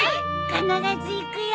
必ず行くよ。